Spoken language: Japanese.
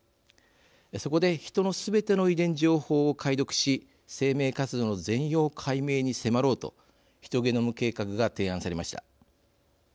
そこでヒトのすべての遺伝情報を解読し生命活動の全容解明に迫ろうとヒトゲノム計画が提案されました。